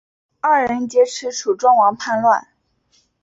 二人劫持楚庄王叛乱。